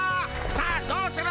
さあどうする？